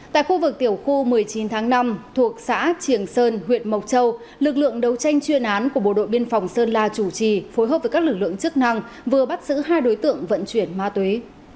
tại khu vực tiểu khu một mươi chín tháng năm thuộc xã triềng sơn huyện mộc châu lực lượng đấu tranh chuyên án của bộ đội biên phòng sơn la chủ trì phối hợp với các lực lượng chức năng vừa bắt giữ hai đối tượng vận chuyển ma túy